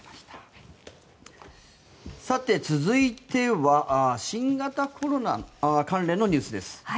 さて、続いては新型コロナ関連のニュースです。